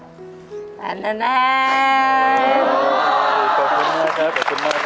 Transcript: ขอบคุณมากครับ